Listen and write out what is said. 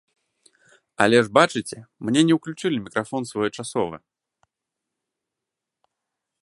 Але ж бачыце, мне не ўключылі мікрафон своечасова!